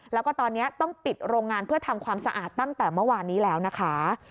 แล้วก็ตอนนี้ต้องปิดโรงงานเพื่อทำความสะอาดตั้งแต่เมื่อวานนี้แล้วนะคะ